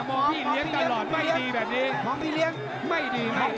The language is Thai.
ขวาที่แย่นเลยแค่นี้